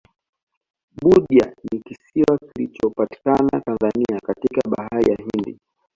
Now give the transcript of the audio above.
budya ni kisiwa kinachopatikana tanzania katika bahari ya hindi